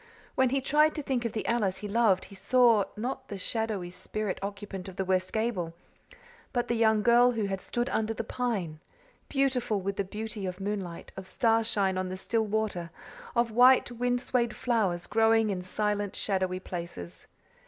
When he tried to think of the Alice he loved he saw, not the shadowy spirit occupant of the west gable, but the young girl who had stood under the pine, beautiful with the beauty of moonlight, of starshine on still water, of white, wind swayed flowers growing in silent, shadowy places.